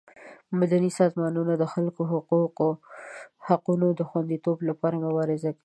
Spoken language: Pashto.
مدني سازمانونه د خلکو د حقونو د خوندیتوب لپاره مبارزه کوي.